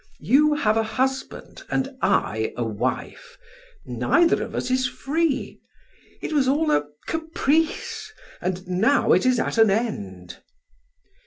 You have a husband and I a wife. Neither of us is free; it was all a caprice, and now it is at an end!"